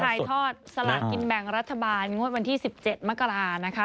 ถ่ายทอดสลากินแบ่งรัฐบาลงวดวันที่๑๗มกรานะคะ